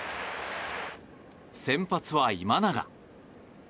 先発は今永。